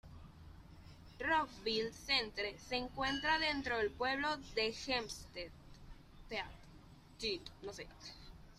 Rockville Centre se encuentra dentro del pueblo de Hempstead.